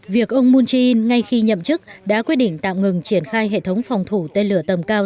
việc ông moon jae in ngay khi nhậm chức đã quyết định tạm ngừng triển khai hệ thống phòng thủ tên lửa tầm cao